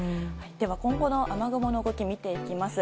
では、今後の雨雲の動きを見ていきます。